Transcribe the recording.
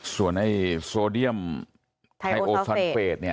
ส่วนไอ้โซเดียมไฮโอฟันเฟสเนี่ย